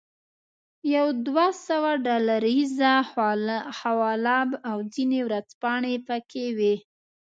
یوه دوه سوه ډالریزه حواله او ځینې ورځپاڼې پکې وې.